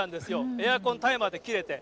エアコン、タイマーで切れて。